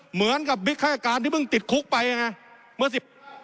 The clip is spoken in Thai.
เหมือนกับบิ๊กข้ายการที่เพิ่งติดคุกไปไง